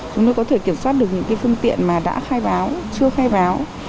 chúng tôi có thể kiểm soát được những phương tiện mà đã khai báo chưa khai báo